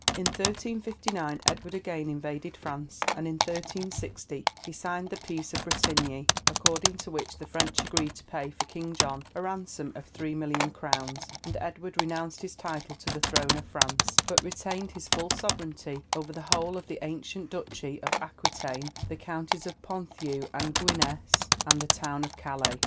In 1359 Edward again invaded France, and in 1360 he signed the peace of Bretigny, according to which the French agreed to pay for King John a ransom of three million crowns, and Edward renounced his title to the throne of France, but retained his full sovereignty over the whole of the ancient duchy of Aquitaine, the counties of Ponthieu and Guignes, and the town of Calais.